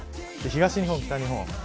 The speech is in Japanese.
東日本、北日本